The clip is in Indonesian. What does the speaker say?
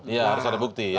ya harus ada bukti ya